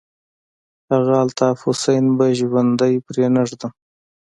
هغه الطاف حسين به ژوندى پرې نه ږدم.